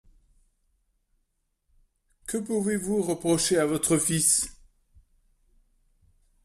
Que pouvez-vous reprocher à votre fils!